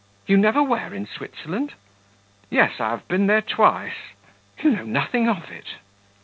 "You never were in Switzerland?" "Yes I have been there twice." "You know nothing of it."